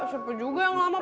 siapa juga yang lama